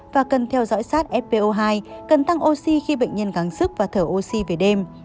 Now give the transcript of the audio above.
và cần theo dõi sát fpo hai cần tăng oxy khi bệnh nhân gáng sức và thở oxy về đêm